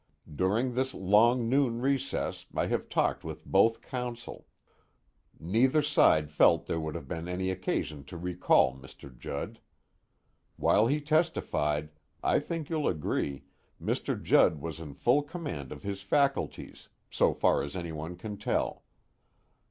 During this long noon recess I have talked with both counsel; neither side felt there would have been any occasion to recall Mr. Judd. While he testified, I think you'll agree, Mr. Judd was in full command of his faculties, so far as anyone can tell.